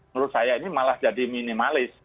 menurut saya ini malah jadi minimalis